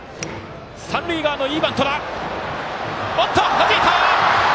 はじいた！